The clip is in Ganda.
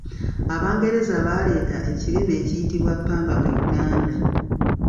Abangereza baleeta ekirime ekiyitibwa ppamba mu Uganda.